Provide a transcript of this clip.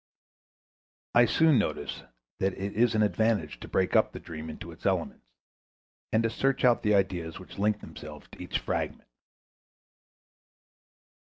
I soon notice that it is an advantage to break up the dream into its elements, and to search out the ideas which link themselves to each fragment.